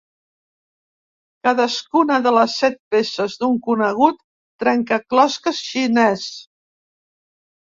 Cadascuna de les set peces d'un conegut trencaclosques xinès.